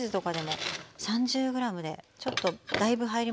３０ｇでちょっとだいぶ入ります